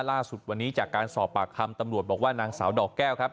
ล่าสุดวันนี้จากการสอบปากคำตำรวจบอกว่านางสาวดอกแก้วครับ